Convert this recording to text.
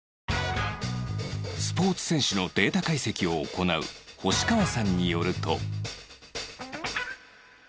スポーツ選手のデータ解析を行う星川さんによると